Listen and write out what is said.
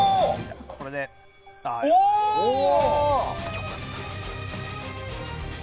良かった。